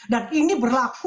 dan ini berlaku